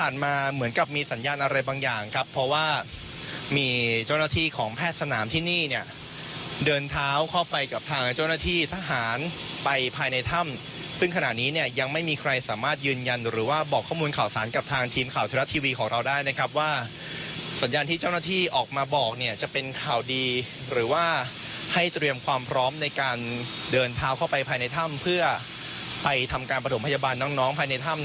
เดินเท้าเข้าไปกับทางเจ้าหน้าที่ทหารไปภายในถ้ำซึ่งขณะนี้เนี่ยยังไม่มีใครสามารถยืนยันหรือว่าบอกข้อมูลข่าวสารกับทางทีมข่าวเทวรับทีวีของเราได้นะครับว่าสัญญาณที่เจ้าหน้าที่ออกมาบอกเนี่ยจะเป็นข่าวดีหรือว่าให้เตรียมความพร้อมในการเดินเท้าเข้าไปภายในถ้ำเพื่อไปทำการปฐมพ